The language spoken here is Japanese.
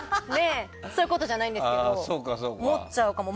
そういうことじゃないんですけど思っちゃうかも。